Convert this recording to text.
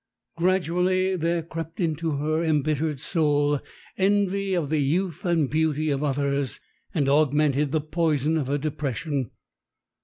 Gradually there crept into her embittered soul envy of the youth and beauty of others and augmented the poison of her depression.